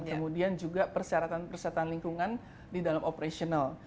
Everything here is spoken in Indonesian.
kemudian juga persyaratan persyaratan lingkungan di dalam operasional